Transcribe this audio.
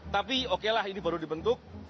tapi okelah ini baru dibentuk